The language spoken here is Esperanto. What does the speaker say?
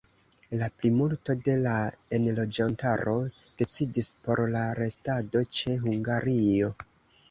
La plimulto de la enloĝantaro decidis por la restado ĉe Hungario.